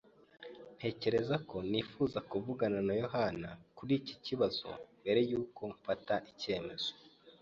Ntekereza ko nifuza kuvugana na yohani kuri iki kibazo mbere yo gufata icyemezo.